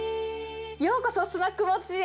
ようこそ、スナックモッチーへ。